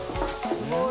すごい。